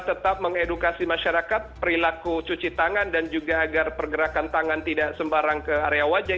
tetap mengedukasi masyarakat perilaku cuci tangan dan juga agar pergerakan tangan tidak sembarang ke area wajah